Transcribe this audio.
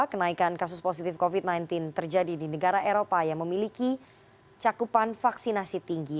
kenaikan kasus positif covid sembilan belas terjadi di negara eropa yang memiliki cakupan vaksinasi tinggi